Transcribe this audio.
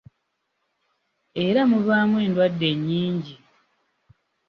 Era muvaamu endwadde ennyingi.